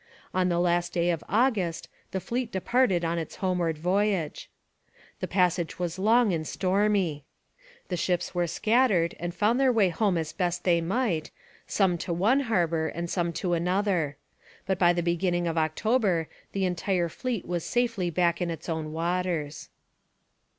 On the last day of August, the fleet departed on its homeward voyage. The passage was long and stormy. The ships were scattered and found their way home as best they might, some to one harbour and some to another. But by the beginning of October, the entire fleet was safely back in its own waters.